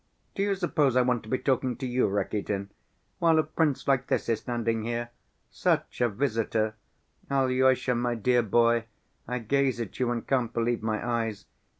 Do you suppose I want to be talking to you, Rakitin, while a prince like this is standing here. Such a visitor! Alyosha, my dear boy, I gaze at you and can't believe my eyes.